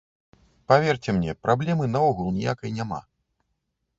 Паверце мне, праблемы наогул ніякай няма.